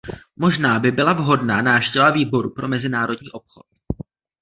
Možná by byla vhodná návštěva Výboru pro mezinárodní obchod.